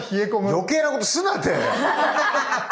おい余計なことすんなって。